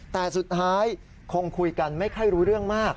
แต่สุดท้ายคงคุยกันไม่ค่อยรู้เรื่องมาก